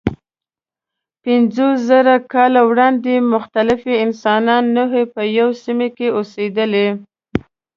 پنځوسزره کاله وړاندې مختلفې انساني نوعې په یوه سیمه کې اوسېدلې.